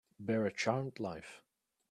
Bear a charmed life